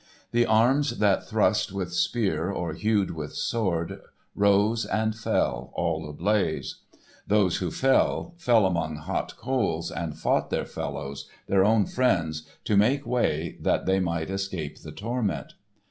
The arms that thrust with spear or hewed with sword rose and fell all ablaze. Those who fell, fell among hot coals and fought their fellows—their own friends—to make way that they might escape the torment.